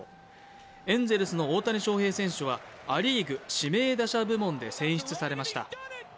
エンゼルスの大谷翔平選手は、ア・リーグ指名打者部門で選出されました。